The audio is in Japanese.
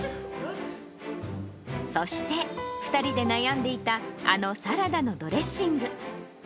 そして、２人で悩んでいたあのサラダのドレッシング。